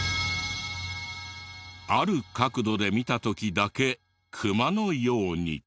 ある角度で見た時だけクマのように。